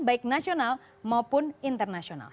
baik nasional maupun internasional